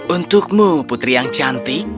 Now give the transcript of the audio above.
untukmu putri yang cantik